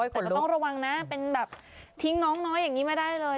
แต่ก็ต้องระวังนะเป็นแบบทิ้งน้องน้อยอย่างนี้ไม่ได้เลย